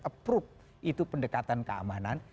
approve itu pendekatan keamanan